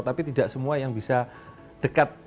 tapi tidak semua yang bisa dekat